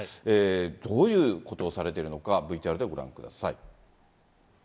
どういうことをされているのか、ＶＴＲでご覧ください。